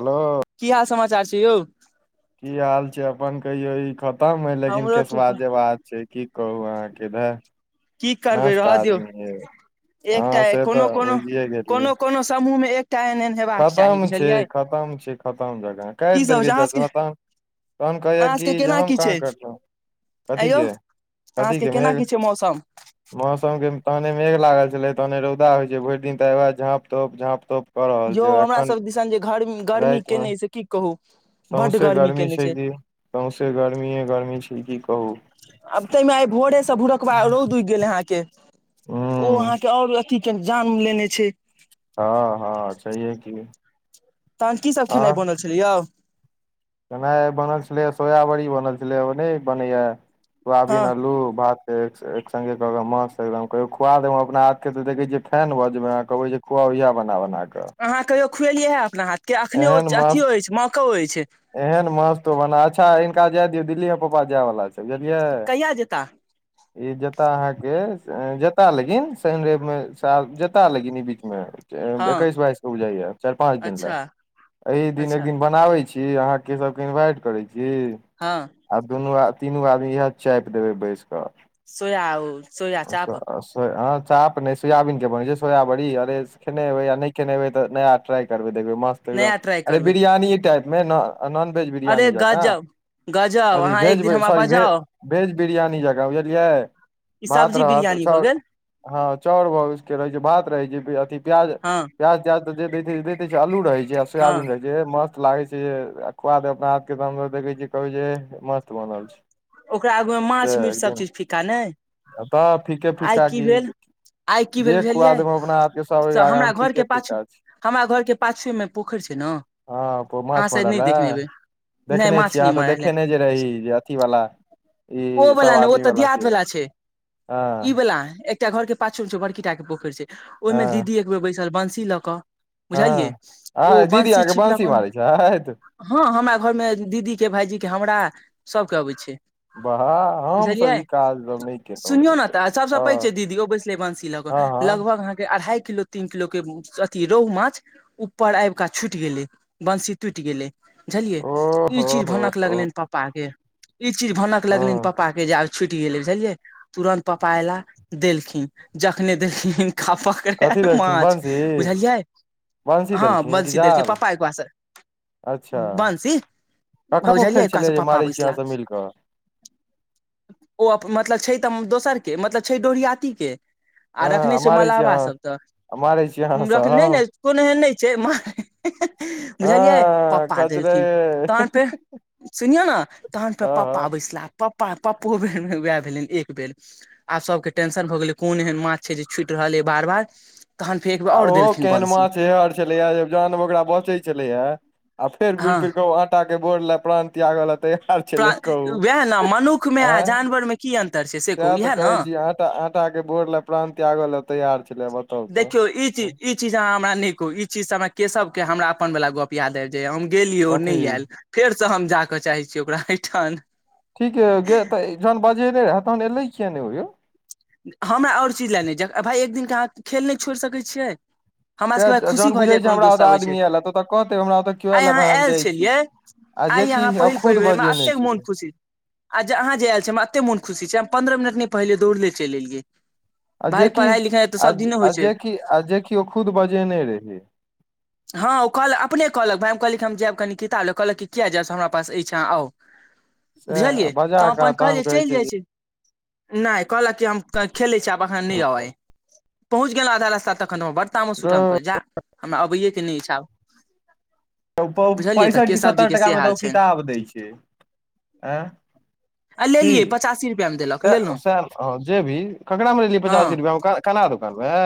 hello की हाल समाचार छै यौ की हाल छै अपन कहियो ई खतम हय लेकिन हमरो ठीक केसबा जेबात से की कहू अहाँके धह की करबै नष्ट रहऽ दियौ आदमीे एकटा हँ से कोनो तऽ कोनो बुझिए गेली कोनो कोनो समूहमे एक खतम छै खतम छै खतम जगह की काटि सब होइ छै देलकै अहाँ चर्च सबके मे त तहन कहैया कि जे हम कहाँ करलहुँ ऐं यौ अहाँके केना मेघ की छै मौसम मौसम के तहने मेघ लागल छलै तहने रौदा होइत छै भरि दिन तऽ हयाद झाँप तोप झाँप तोप कऽ रहल यौ छै हमरा एखन सब दिसन जे घरमी गर्मी रातिमे केने से की कहू सौँसे गर्मी छै कि सौँसे गर्मिये गर्मी छै की कहू आब तैमे आइ भोरेसँ भोरकबा रौद उकि गेल अहाँके ओ हूँ अहाँके आओर अथी के जान लेने छै हँ हँ सहहिए की तहन कीसभ आर खेनाइ बनल छलै यौ खेनाइ बनल छलै सोयाबड़ी बनल छलै ओ नहि बनैए हँ सोयाबीन अल्लू भात ठीक छै एक सङ्गे कहबै मास एकदम कहि खुआ देब अपना हाथ के तऽ देख छियै फैन भऽ जबै कहबै जे खुअभिय बना- बना कऽ अहाँ कहियो खुएलियै हँ अपना हाथ के अखने एहन अथियो मस्त हो अछि छै मौको अछि एहन माँस तु बना अच्छा हिनका जाय दियौ दिल्लीए पापा जायवाला छै बुझलियै कहिया जेता ई जता अहाँके जता लेकिन शनि रैब मे जता लगिन ई बीच मे हँ एकैस बाइस के उ जइया चारि पांच दिन ले अच्छा एहि दिन एक अच्छा दिन बनाबै की अहाँ के सबके इन्वाइट करै छी हँ आ दुनू आ तीनू आदमी इएह चापि देबै बैस कऽ सोया आ सोया चाप हँ चाप नहि सोयाबीनके बनै छै सोयाबड़ी अरे खेनेबै या नहि खेने एबै तऽ नया टराइ करबै देखबै मस्त एकदम नया ट्राइ अरे करबै बिरियानी टाइप मे नऽ नॉन वेज अरे बिरियानी जकाँ गजब गजब अथी अहाँ एक वेज दिन हमरा सॉरी भे बजाउ भेज बिरियानी जकाँ बुझलियै ई भात सब्जी रहत बिरियानी भऽ गेल हँ चाउर भ उसके रहै छै भात रहै छै अथ प्याज हँ प्याज त्याज े छै आलू रहे छै हँ सोयाबीन रहे छै मस्त लागे छै खाद अपना हाथ के हम देखै छियै कहै छै मस्त बनल छै ओकरा आगू मे से माछ मीट सब एकदिन चीज फीका नहि तऽ फीके फीक आइ की भेल आइ की भेल जे खुआ बुझलियै देबौ हम अपना हाथ के सब अो ई से के आगा हमरा मे घर फीके के पाछू फीका छै हमरा घर के पाछुए मे पोखरि छै ने हँ माछ शायद मरैल नहि देखने ह हेबै नहि देखने माछ छीयै नहि अहाँ तऽ मारल है, देखे जे रही जे अथी वाला ओ ई सब वला नहि ओ आदमी तऽ वाला दियाद वला छै ई हँ वलाा एकटा घर के पाछम छ ब रकीटा के पोखरि छै ओहिमे हँ दीदी बैसाल बंसी लऽ कऽ बुझलियै हँ ओ आ दीदी बंसी अहाँके छिपलक मारै छथि हँ हमरा घर मे दीदी के भायजी के हमरा सबके अबै छै बाहा हमस बुझलियै ई काज रहल सुनियौ ने तऽ सबसँ पैघ छै दीदी ओ बैसले बंसी लऽ कऽ हँ हँ लगभग अहाँके अढ़ाई किलो तीन किलो के अथी रोह माछ ऊपर आबि क छुटि गेले बंसी टूटि गेले बुझलियै ओ ई हो चीज हो भनक हो लगलनि पप्पा के ई चीज भनकक लगलनि हँ पप्पा के जे आब छुटि गेलै बझियै तुरन्त पपा एला देलखिन जखने देलखिन खपड़ कथी देलखिन माछ बंशी बुझलियै बंशी हँ देलखिन कि बंशी देलकै जाल पापा एक बास से अच्छा बंसी ककर बझलियै पोखरि छलै ओकासँ जे पपापा मारै छी अहाँ बैसलाह सब मिल कऽ ओ मतलब छै तऽ दोसर के मतलब छै डोढ़ियात के आ रखने हँ छै मारै छी मलहबा अहाँ सभ मारै छी अहाँ तऽख नहि ने सब कोनो एहन नहि छै म [inaudible] बुझलियै हँ पापा खचरे देलखिन तहन फेर सुनियौ ने तहन फेर हँ पापा हँ पैसला पपा पप्पो बेर वएह भेलनि एक बेर आब सबके टेंशन भऽ गेलै कोन एहन माछ छै जे छूटि रहलै बार बार तखन फेर एकबेर आओर देलखिन बंसी छलै ज जह ओकरा बचै छलै ह आ फेर घुरि हँ फिर के आ कु्ताक के बोर लए प्रान त्याग लए तैयार छैे कहू आ मे की अन्तर छै से कहू सएह तऽ इएह ने कहै छी आटा आटाक के बोर लए प्रान त्यागय लए तैयार छलै बताउ तऽ देखियौ ई चीज ई चीजहाँ हमरा न कहू ई चीज हमरा केशव के हमरा अपन वला गप याद आबि जाइया हम गेलियै अो कथी नहि आयल फेरसँ हम जा कऽ चाहै छीियै ओकरा एहिठाम ठीक य त जहन बजेने रहे तहन एलेै कििया नहि ओ यौ हमरा आओर चीज लएनाइ छै भइ एक दिनके अहाँ खेल नहि छोड़ि सकैत छियै हमर सएह सभके खुशी जहन भऽ बुझै जाय छै कोनो हमरा दोस्त ओतऽ अबैत छै आदमी आयल तऽ ओतऽ कहतै हमरा ओतऽ केओ आइ अहाँ भाय हम आयल जाइ छी छलियै आ आइ जेकि यहाँ पहिल खुद पहिल हमरा बजेने एतेक छलै मोन खुशी आ जे अहाँ जे आयल छी हमरा एतेक मोन खुशी छै हम पन्द्रह मिनट नहि पहिले दौड़ले चलि एलियै आ भााय जेकि पढ़ाई लिखाई तऽ आ सब दिने आ होइ छै जेकि आ जे कि अो खुद बजेने रहहिय हँ ओ कहलक अपने कहलक भायइ हम कहलक हम जायब कनि किताब ले कहलक कि किया जायब हमरा पास एहिठाँ आउ सैह बुझलियै बजा तऽ हम क अपन तहन कहलियै कहै चलि छै जाइ छी नहि कहलक कि हम खेले छी आब अखन नहि आउ आइ अब पहुँच गेलहु आधा रस्ता तखन ब तामस जे उठल हम कहलिये जा हमरा अबैे के नहि इच्छा पैंसठि कि सत्तर टाका मे तऽ ओ छनि किताब दै छै ए आ की लेलियै पचासी रुपआ मे देलक स लेलहुँ सएह ह जे भी ककरा म लेलेलियै हँ पचासी रुपैआक कना दुकानमे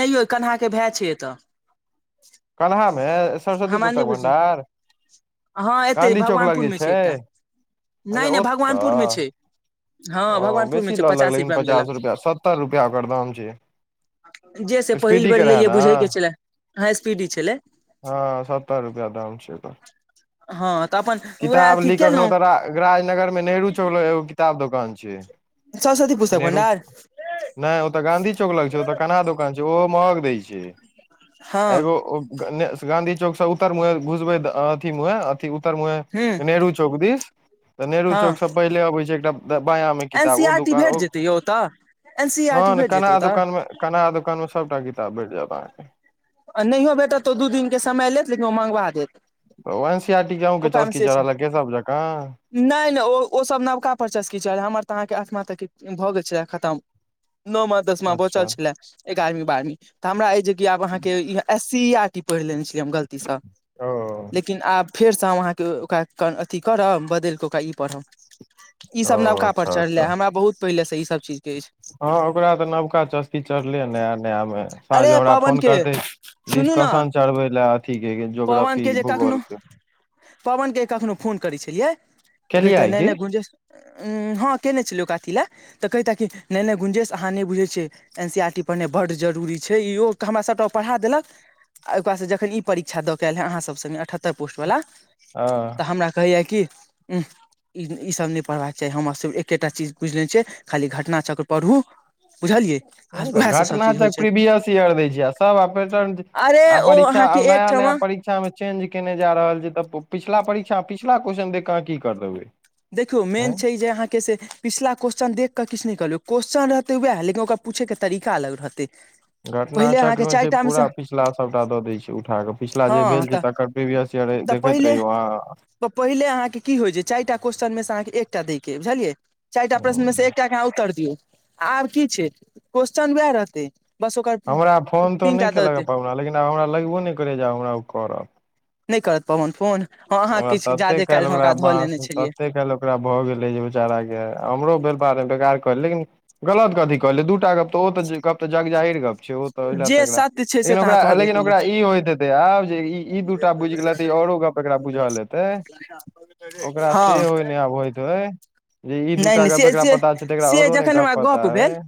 नहि यौ कन्हाक भए छै एतय कन्हा मे सरस्वती हमरा पुस्तक नहि बुझ भंडार हँ एते गाँधी चौक लग भगवानपुर जे मे छै एकटा अच्छा नहि नहि भगवानपुर मे ओतय छै हँ ओ भगवानपुर मे बेसी छै लऽ लेलक रुपआ मे देलक पचास रुपया सत्तर रुपया ओकर दाम छै जे से पहिल स्पीडी के बेर रहे लेलियै ने बुझैके छलै हा स्पीडी छलै हँ सत्तर रुपया दाम छै हँ तऽ अपन उएह किताब अथी ली कखनो केलहुँ तऽ राजनगर मे नेहरू चौक ल एगो किताब दुकान छै सरस्वती पुस्तक नेहरू भंडार नय ओतऽ गाँधी चौक लग छै ओतऽ कन्हा दोकान छै ओहो महग दै छै हँ एगो ओ गंणेश गाँंधी चौक से उत्तर मुहे घुसबे अथी मुहे अथी उतर मुहे हूँ नेहरू चौक दिस तऽ नेहरू हँ चौक से पहिले अबे छै एकटा द बाया मे एन किताब सी ओ आर टी दुकान भेट ओ जेतै यौ ओतऽ एन सी आर टी हँ ने भेट जेतै कन्हा ओतऽ दुकान मे कन्हा दोकान में सबटा किताब भेट जायत अहाँके आ नहियो बेटत तऽ दू दिनके समय लेत लेकिन ओ मँंगबा देत ओ एन सी आर टी के आहू चस्का चढलयै केशव जकाँ नय नय ओ ओसभ नवका परचस्की छल हमर तऽ अहाँके आठमा तक भऽ गेल छल खतम नमा दसमा बचल अच्छा छल एगारहवीं बारहवीं त हमरा जे आब अहाँ के एस सी आर टी पढ़ ले छै गलतीसँ ओ लेकिन आब फेरसँ हम अहाँके ओकरा अथी करब बदलि कऽ ओकरा ई पढ़ब ई ओ सब नवका पर अच्छा चढ़ले अच्छा हमरा बहुत पहिले से ई सब चीज के अछि हँ ओकरा तऽ नबका चस्कि चढ़लै नया नया मे सांझो अरे हमरा पवन फोन के करते सुनू ने डिस्कशन चढ़बे ले अथी के पवन ज्योग्रफी के जे कखनो भूगोल के [unintelligible] पवन के कखनो फोन करै छलियै तऽ केलियै कहतै नय की नय गुंजेश उ हँ केने छलु काकी लै तऽ कहितै की नय नय गुंजेश अहाँ नय बुझैय छियै एन सी आर टी पढ़नै बड जरूरी छै इहो हमरा सभटा पढ़ा देलक आ ओकरासँ जखन ई परीक्षा दऽ क यैल हए अहाँसभ संगे अठहत्तर पोस्टवला हँ तऽ हमरा कहैया कि ऊह ई सब नय पढ़बाक चाही हमर सब एकेटा चीज पुछिलेने छै खाली घटना चक्र पढ़ू बुझलियै हू आ ग घटना उएहसँ सभ घटना चीज होइ चक्र छै प्रीवियस इयर दै छै सब आ पेटर्न अरे ओ परीक्षा अहाँके नया नया एकठमा परीक्षा मे चेंज केने जा रहल छै तऽ पिछिला परीक्षा पिछिला क्वेश्चन देख के अहाँ की कर देबै देखियौ हँ मेन छै जे अहाँके से पिछला क्वेस्चन देख कऽ किछु नैय कहलिय क्वेश्चन रहतै उएह लेकिन ओकरा पूछेके तरीका अलग रहतै घटना पहिले अहाँके चक्र मे छै चारिटा सँ पूरा पिछला सभटा दऽ दै छै उठा कऽ पिछिला जे हँ भेल तऽ तकर प्रवियस ईयर देखैत पहिले रहियौ अहां तऽ पहिले अहाँके क होय छै चारिटा क्वेश्चनमे से अहाँके एकटा दैके बुझलियै चाईरटा प्रश्नमे अहाँ से एकटाके अहाँ उत्तर दियौ आब की छै क्वेेश्चन उएह रहतै बस ओकर हमरा फोन तीन तोन टा नहि दऽ कयेलक ह देतै पावना लेकिन आब हमरा लगबो नहि करैए जे आब हमरा ओ करत नहि करत पवन फोन हँ अहाँ ओकरा किछ तते जादे काल्हि ओकरा धऽ बाँस लेने छलियै तते काल्हि ओकरा भऽ गेलै जे बेचाराके हमरो वपार बेकार कहै लेकिन गलत कथी कहलै दूटा गप तऽ ओ तऽ गप तऽ जगजाहिर गप छेहो तऽ ओइलै तऽ जे एकरा सत्य छै से लेकिन तऽ अहाँ ओकरा कहबे लेकिन केलियै ओकरा ई होइत त आब जे ई ई दूटा बुझि गेलै त औरो गप ओकरा बुझल हेते ओकरा हँ सेहो ने होयत होय जे ई दू नहि टा नहि गप्प से एकरा से पता छै तऽ एकरा से आओर नय जखन गप्प हमरा पता गप भेल यै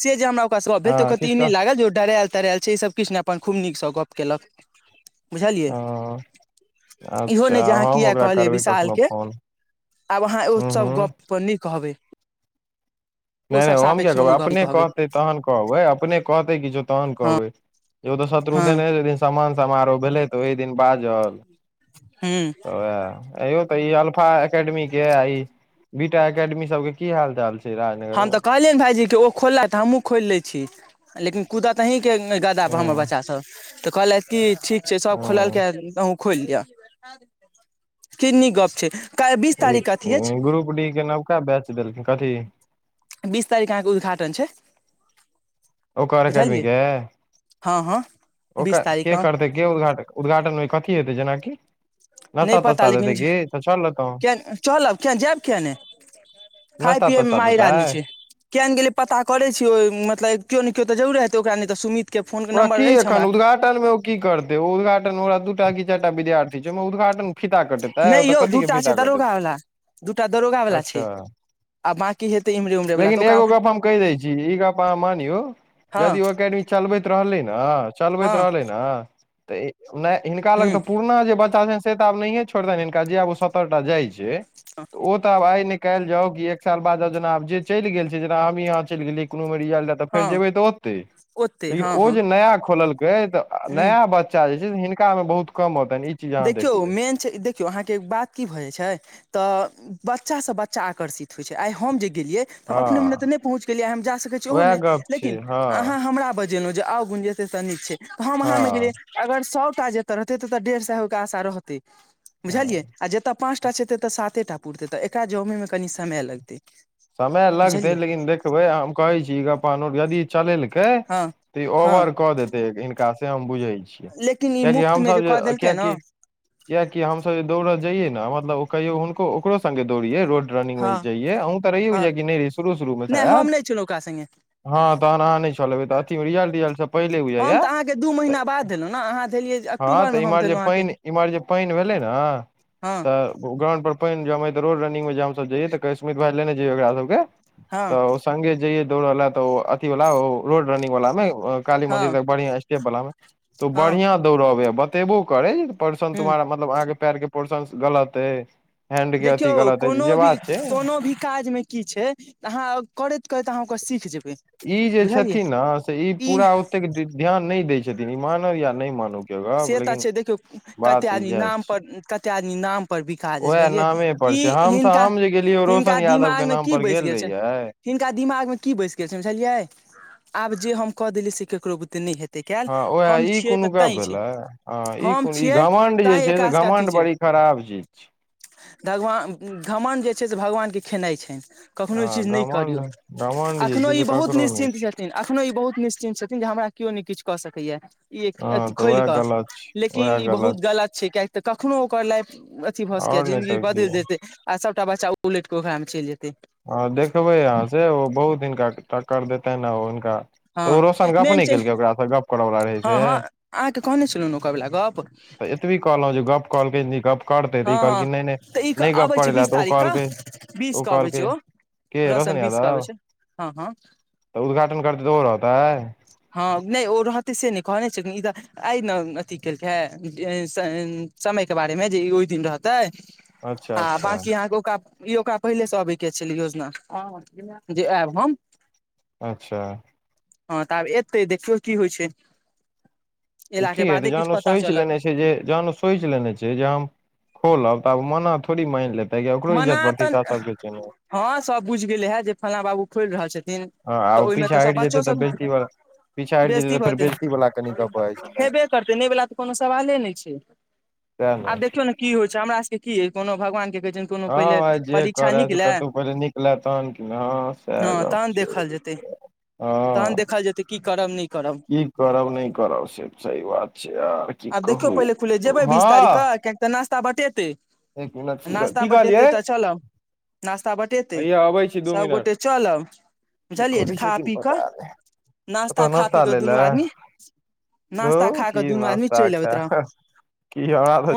से जे हमरा ओकरासँ गप भेल तऽ ओ कहत ई नय लागल जे डरायल तरायल छै ईसभ किछ नहि अपन खूब नीकसँ गप्प केलक बुझलियै हँ इहो अच्छा नहि जे अहाँ हम किया ओकरा कहलियै करबै कखनो विशालके फोन आब अहाँ हूँ ऊत्सभ हूँ गपपर नहि कहबै ओ नय सब नय हम किया सापेक्ष कहबै कोनो गप अपने कहत तहन कहबै अपने कहते किछो तहन हँ कहबै यो तऽ शत्रु हँ समान समारोह भेलै तऽ ओहि दिन बाजल हूं आयौ तऽ ई अलफा एकेडमी के ई बीटा एकेडमी सब के की हाल चाल छै राज हम तऽ कहलियै ने भायजी के ओ खोललैथ हमहु खोल ले छी लेकिन कुदत आही के ह बच्चा सब तऽ कहलथ की ठीक छै सब ह खोलके आहू खोलि लिअ की नीक गप छै काल्हि बीस तारीख के अथी अछि ग्रुप डी के नवका बैच देलखिन कथी बीस तारिख अहाँके उद्घाटन छैय ओकर अकडमी के हँ हँ बीस ओकर तारीख के कऽ करतै उद्घाटन मे कथी हेतै जेनाकि नहि नास्ता पता तास्ता देतै लेकिन की तऽ चल लेतौ चलब कि जायब किए नहि खााय नास्ता पिय मे तास्ता माहिर आदमी देतै छी केहन गेल पता करे छीय ओ मतलब केओ नय केओ त जरुरे ओकरा नय तऽ सुमित के फोन ओकरा नम्बर अछि क एन हमरा उद्घाटन मे ओ की करतै ओ उद्घाटन ओरा दू टा क चार टा विद्यार्थी छै उद्घाटन फीता कटेतै नहि ओतऽ यौ कथी के दूटा फीता छै कटेतै दरोगावला दूटा दरोगा वला छै अच्छा आ बाकि हतै इमरे उमरे वला लेकिन त ओका एगो गप हम कहि दै छी ई गप मानौ यदि हँ ओ एकेडमी चलबैत रहलै न चलबैत हँ रहले ने तऽ हिनका लग हूँ तऽ पुरना जे बच्चा छै तऽ आब नहि छो जे आब सतरटा जाइ छै ओ तऽ आब आइ ने कयल जाउ क एक साल बाद जेना आब जे चलि गेल छै जेना हमी यहाँ चलि गेलियै कोनो बेर रिज तऽ हँ फेर जेबै तऽ ओतै ओते लेकिन हँ ओ हँ जे नया खोललकै तऽ हूँ नया बच्चा जे छै से हिनका में बहुत कम औतनि ई चीज अहाँ देखियौ देखबै मेन छै देखियौ अहाँके बात की भऽ जाइत छै तऽ बच्चासँ बच्चा आकर्षित होइत छै आइ हम जे गेलियै हम हँ अपने मने तऽ नहि पहुँच गेलियै हम जा सकै छीयै उएह ओहोमे गप छै लेकिन हँ अहाँ हमरा बज लहुँ जे [inaudible] आउ गुंजत त नीक छै त हम अहाँं गेलियै हँ अगर सएटा जत रहते तऽ डेढ़ सए ओके आशा रहतै बुझलियै हँ आ जतऽ पाँच सभटा जेतै तऽ साते टा पुरतै तऽ एकरा जमैमे कनी समय लगतै समय लगतै बुझलियै लेकिन देखबै हम कहै छी यदि चलेलकै हँ तऽ ई हँ ओवर क देते हिनका से हम बुझे छी लेकिन ई किएकि मुफ्त मे हमसभ जे कऽ देलकै ने कियाकि कियकि हमसभ जे दौड़ल जइयै ने मतलब ओ कहियो हुनको ओकरो संगें दौड़ियै रोड रनिंग हँ मे जइए अ तऽ हँ रहि कि नहि र शुरू शुरू मे नहि शायद हम नहि छलहुँ ओकरा संगे हँ तहन आहां नइ चल्बै त अथी रिजल्ट तिजल्ट स पहिले हम बुझाइयै तऽ अहाँके दू त महीना बाद देलहुँ ने अहाँ देलियै हँ अक्टूबरमे तं हम इमहर जे देलहुँ पइन इम्हर जे पानि भेलै न हां ग्राउंड पर पानि जम ह त रोड रनिंगग मे जाम सब जइय तऽ स्मित भा लेने जइयै ओकरा सबके हँ तऽ संगे जइये दौड़ ला त ओ अथी वाला ओ रोड रनिंग वाला मे काली मंदिर हँ तक बढ़िया स्टेप वाला में तो हँ बढ़ियां दौड़बे बतेबो करे परर्सन ह तुम्हहारा मतलब अहाँके पयर के पोर्षण गलत अयै देखियौ कोनो भी कोनो भी काजमे की छै अहाँ करैत करैत अहाँ ओकरा सीख जेबै ई जे बुझलियै छथिन ने से ई पूरा ध्यान नहि दै छथिन ई मानौ या नैय मानौ से तऽ छै देखियौ कतेक आदमी जएह नाम छै पर कतेक आदमी नाम पर बिका जा छै उएह बुझलियै नामे पर ई छै हम स हिनका हम जे गेलियै हिनका रोशन यादव दिमाग के में नाम की पर बैस गेल छै रहियै हिनका दिमाग मे की बस गेल छै बुझलियै आब जे हम क देलियै से केकरो बुते नैय हेतै कयल हँ उएह हम ई छियै कोनो तऽ गप तैं छै भेलै हँ ई हम कोन ई छियै घमंड तैं जे छै ने एकरासके अथी घमंड छै बड़ी खराब चीज छै भगवान घमण्ड जे छै से भगवानके खेनाइ छनि कखनो ई चीज हँ नहि घमण्ड करियौ घमण्ड जे अखनो छै ई से बहुत ककरो नहि निश्चिन्त छै छथि अखनो ई बहुत निश्चिन्त छथिन जे हमरा केओ नहि किछु कऽ सकैया ई अथ हँ तऽ खोलि उएह कऽ गलत छै लेकिन उएह ई बहुत गलत छै कियेकि तऽ कखनो ओकर लाइफ अथी भऽ छै सकैये आओर नहि जिंन्दगी तऽ की बदलि देतै आ सभटा बच्चा उलटि कऽ ओकरामे चलि जेतै हँ देखबै अहाँ से ओ बहुत हिनका टक्कर देतैन आब हुनका हँ तऽ ओ रोशन गप्प मेन नहि छै केलकै ओकराँ गप्प करऽवला रहै से हँ हँ अहाँके कहने छलहुँ ने ओकर वला गप तुही कहलह जे गप्प कहलकै हन जे गप्प करतै तऽ ई हँ हँ कहलकै नहि नहि तऽ ई नहि गप अबै छै करै लए बीस तऽ ओ तारीख कहलकै ओ कहलकै के रौशन रसन बीस के आबै यादव छै हँ हँ तऽ उद्घाटन करतै तऽ ओ रहतै हँ नहि ओ रहतै से नहि कहने छलखिन ई तऽ आय नऽ अथि केलकै समयके बारेमे जे ई ओहि दिन रहतै अच्छा आ अच्छा बाँकी अहाँके ओका ई ओकरा पहिले से अबै के छल योजना जे आयब हम अच्छा हँ तऽ आब एतै देखियौ की होइ छै एला के कि हेतै बादे किछु जहन ओ पता सोचि चलत लेने जहन ओ सोचि लेने छै जे हम खोलब तऽ आब मना थोड़ी मानि लेतै कि ओकरो इज्जत मना तऽ प्रतिष्ठा सबके छै ने हँ सब बुझि गेले हेँ जे फल्लाँ बाबू खोलि रहल छथिन हँ आ तऽ ओ ओहिमे तऽ पीछा सभ हटि बच्चो जेतै तऽ सभ बेजती वाला पीछा हटि बेजती तऽ भऽ फेर जेतै बेजती वाला कनि गप भऽ जाइ छै ने हेबे करतै नहि वला तऽ कोनो सवाले नहि छै सएह ने आब देखियौ की होइ छै हमरा सबके की अय कोनो भगवान के कहै छियनि हँ भाइ जे करै से कतहु पहिले निकलै तहन किने हँ सएह हँ गप्प तहन छै देखल जेतै तहन हँ देखल जेतै की करब नहि करब की करब नहि करब से सही बात छै यार की आब देखियौ कहू पहिले खुले जेबै बिस हँ तारीखकेँ कियाकि तऽ नाश्ता बटेतै एक मिनट नास्ता की बटेतै कहलियै तऽ चलब नास्ता बटेतै हैया अबै छी दू सब मिनट गोटे चलब की बुझलियै करै खा छथिन पी कऽ पता नहि ओतऽ नास्ता खा पी कऽ लै दुनू लए आदमी धौ नास्ता खा कऽ की दुनू आदमी नास्ता चलि खा अबैत रहब की [unintelligible]